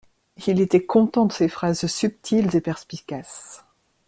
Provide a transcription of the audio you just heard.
Il était content de ses phrases subtiles et perspicaces.